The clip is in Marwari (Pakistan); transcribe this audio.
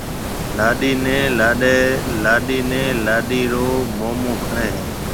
لاڏَي نيَ لاڏَي رو مومون کڻيَ ھيَََ